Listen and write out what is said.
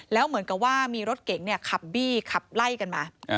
แล้วเหมือนกับว่ามีรถเก๋งขับบี้ขับไล่กันมา